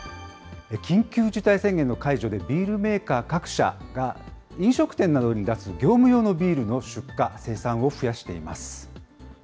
緊急事態宣言の解除で、ビールメーカー各社が、飲食店などに出す業務用のビールの出荷・生産を増やしています。